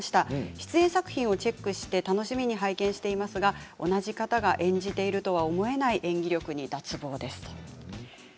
出演作品をチェックして楽しみに拝見していますが同じ方が演じているとは思えない演技力に脱帽です。